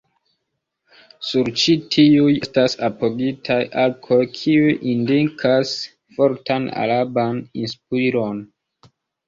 Sur ĉi tiuj estas apogitaj arkoj kiuj indikas fortan araban inspiron.